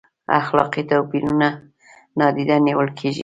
اخلاقي توپیرونه نادیده نیول کیږي؟